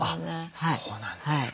そうなんですか。